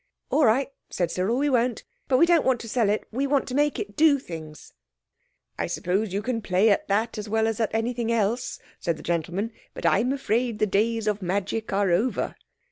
"All right," said Cyril, "we won't. But we don't want to sell it. We want to make it do things." "I suppose you can play at that as well as at anything else," said the gentleman; "but I'm afraid the days of magic are over."